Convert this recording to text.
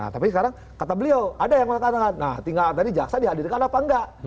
tapi sekarang kata beliau ada yang mengatakan nah tinggal tadi jaksa dihadirkan apa enggak